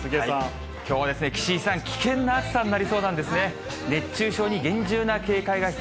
きょうはですね、岸井さん、危険な暑さになりそうなんですね。